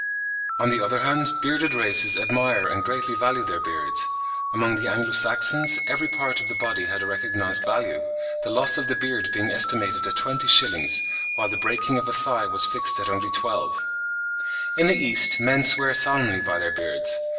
On the other hand, bearded races admire and greatly value their beards; among the Anglo Saxons every part of the body had a recognised value; "the loss of the beard being estimated at twenty shillings, while the breaking of a thigh was fixed at only twelve." (65. Lubbock, 'Origin of Civilisation,' 1870, p. 321.) In the East men swear solemnly by their beards.